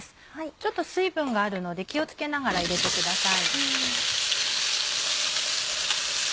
ちょっと水分があるので気を付けながら入れてください。